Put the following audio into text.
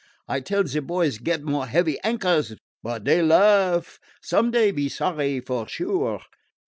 I tell ze boys get more heavy anchors, but dey laugh. Some day be sorry, for sure."